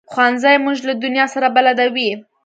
ښوونځی موږ له دنیا سره بلدوي